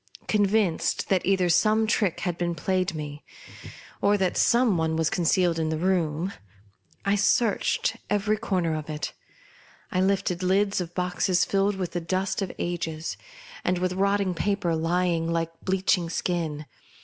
Convinced that either some trick had been played me, or that some one was con cealed in the room, I searched every corner of it. I lifted lids of boxes filled with the dust of ages, and with rotting paper lying like bleaching skin.